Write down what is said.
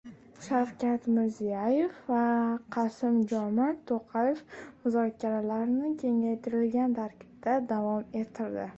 Shavkat Mirziyoyev va Qasim-Jomart Toqayev muzokaralarni kengaytirilgan tarkibda davom ettirdi